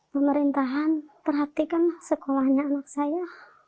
pemerintahan perhatikan sekolahnya anak saya